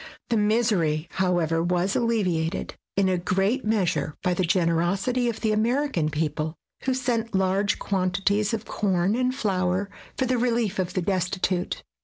The misery, however, was alleviated in a great measure by the generosity of the American people, who sent large quantities of corn and flour for the relief of the destitute.